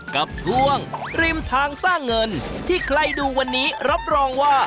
กับช่วงริมทางสร้างเงินที่ใครดูวันนี้รับรองว่า